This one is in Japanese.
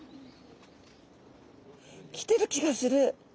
きてる気がする！